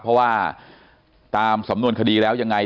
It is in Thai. เพราะว่าตามสำนวนคดีแล้วยังไง